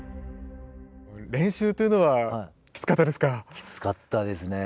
練習というのはきつかったですか？